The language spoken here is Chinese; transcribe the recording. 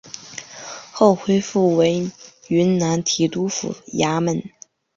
后恢复为云南提督府衙门。